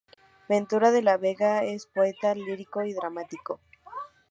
Ventura de la Vega es poeta lírico y dramático.